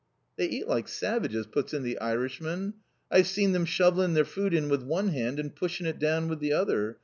"They eat like savages!" puts in the Irishman. "I've see them shovelling their food in with one hand and pushing it down with the other.